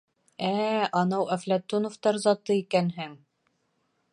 — Ә-ә-ә... анау Әфләтуновтар заты икәнһең.